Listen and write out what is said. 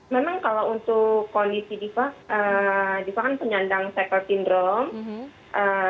memang kalau untuk kondisi diva diva kan penyandang cycle syndrome